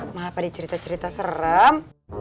malah pada cerita cerita serem